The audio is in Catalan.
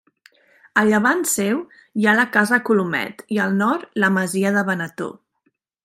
A llevant seu hi ha la Casa Colomet i al nord, la Masia de Benetó.